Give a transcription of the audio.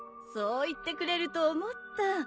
そう言ってくれると思った。